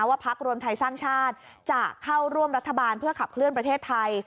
พักรวมไทยสร้างชาติจะเข้าร่วมรัฐบาลเพื่อขับเคลื่อนประเทศไทย